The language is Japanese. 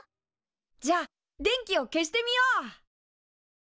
じゃあ電気を消してみよう！